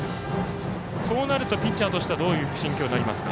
そうなるとピッチャーとしてはどういう心境になりますか。